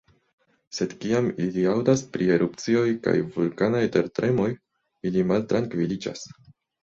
Sed kiam ili aŭdas pri erupcioj kaj vulkanaj tertremoj, ili maltrankviliĝas.